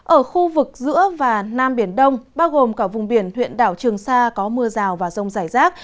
ở khu vực giữa và nam biển đông bao gồm cả vùng biển huyện đảo trường sa có mưa rào và rông rải rác